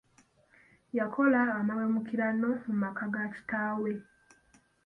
Yakola amaweemukirano mu maka ga kitaawe.